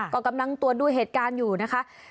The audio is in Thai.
ก็กำลังตรวจดูเหตุการณ์อยู่นะคะ